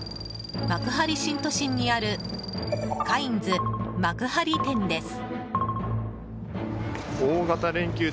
幕張新都心にあるカインズ幕張店です。